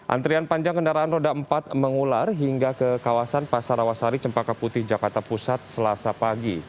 antrian panjang kendaraan roda empat mengular hingga ke kawasan pasar awasari cempaka putih jakarta pusat selasa pagi